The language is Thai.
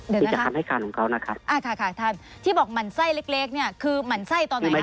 เดี๋ยวนะครับท่านที่บอกมันไส้เล็กเนี่ยคือมันไส้ตอนไหนนะครับ